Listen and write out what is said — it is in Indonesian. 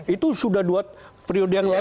itu sudah buat periode yang lalu juga